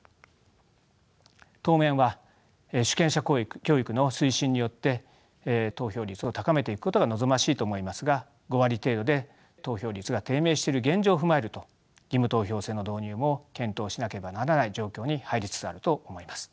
当面は主権者教育の推進によって投票率を高めていくことが望ましいと思いますが５割程度で投票率が低迷している現状を踏まえると義務投票制の導入も検討しなければならない状況に入りつつあると思います。